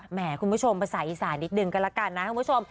แหมคุณผู้ชมภาษาอีสานิดละกันนะคุณผู้ชม